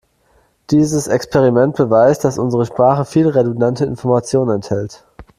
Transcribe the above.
Dieses Experiment beweist, dass unsere Sprache viel redundante Information enthält.